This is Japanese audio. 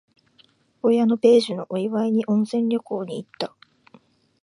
親の米寿のお祝いに、温泉旅行に行った。